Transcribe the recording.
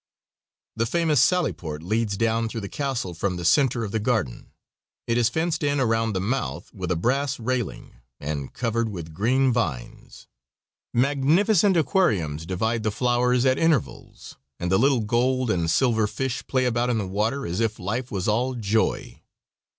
The famous sally port leads down through the castle from the center of the garden. It is fenced in around the month with a brass railing and covered with green vines. Magnificent aquariums divide the flowers at intervals, and the little gold and silver fish play about in the water as if life was all joy.